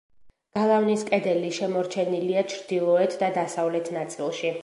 გალავნის კედელი შემორჩენილია ჩრდილოეთ და დასავლეთ ნაწილში.